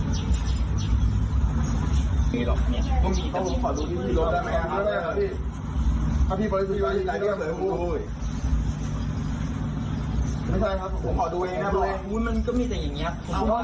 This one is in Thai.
ดูของตุ๋นมันก็มีส่งอย่างเนี้ย